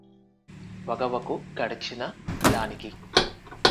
వగవకు గడచిన దానికి